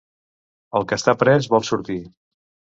El que està pres vol sortir.